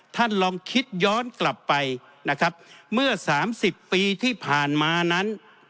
ท่านลองคิดย้อนกลับไปนะครับเมื่อสามสิบปีที่ผ่านมานั้น